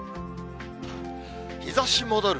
日ざし戻る。